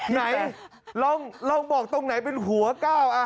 ไหนลองบอกตรงไหนเป็นหัวก้าว